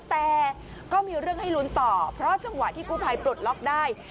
แต่ก็มีเรื่องให้ลุ้นต่อเพราะจังหวะที่กู้ภัยปลดล็อกได้